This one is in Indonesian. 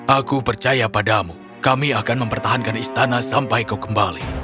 aku percaya padamu kami akan mempertahankan istana sampai kau kembali